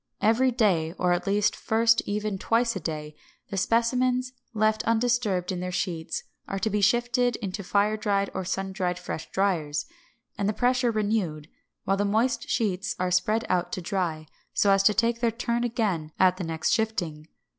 Every day, or at first even twice a day, the specimens, left undisturbed in their sheets, are to be shifted into fire dried or sun dried fresh driers, and the pressure renewed, while the moist sheets are spread out to dry, so as to take their turn again at the next shifting.